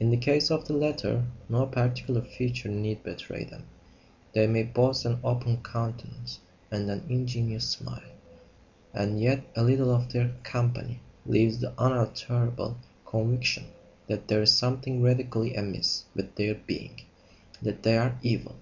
In the case of the latter, no particular feature need betray them; they may boast an open countenance and an ingenuous smile; and yet a little of their company leaves the unalterable conviction that there is something radically amiss with their being: that they are evil.